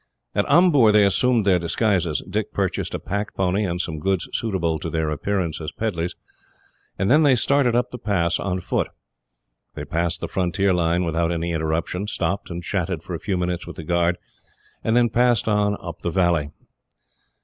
At Amboor they assumed their disguises. Dick purchased a pack pony, and some goods suitable to their appearance as pedlers, and then they started up the pass on foot. They passed the frontier line without any interruption, stopped and chatted for a few minutes with the guard, and then passed on up the valley.